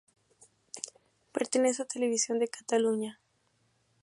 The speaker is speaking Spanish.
Pertenece a Televisión de Cataluña.